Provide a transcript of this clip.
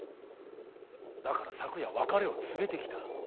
だから昨夜別れを告げてきた。